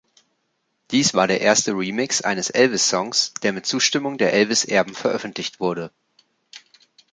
Dies war der erste Remix eines Elvis-Songs, der mit Zustimmung der Elvis-Erben veröffentlicht wurde.